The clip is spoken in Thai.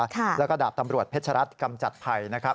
แล้วก็ดาบตำรวจเพชรัตนกำจัดภัยนะครับ